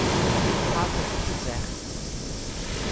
Faça o que quiser.